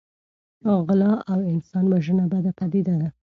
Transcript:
غلا او انسان وژنه بده پدیده ده.